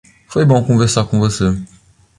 Foi bom conversar com você.